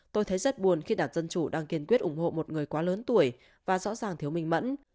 tôi thấy rất buồn khi đảng dân chủ đang kiên quyết ủng hộ một người quá lớn tuổi và rõ ràng thiếu minh mẫn